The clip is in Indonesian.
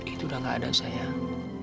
itu udah gak ada sayang